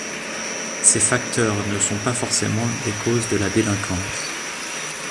Ces facteurs ne sont pas forcément des causes de la délinquance.